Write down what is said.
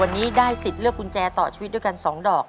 วันนี้ได้สิทธิ์เลือกกุญแจต่อชีวิตด้วยกัน๒ดอก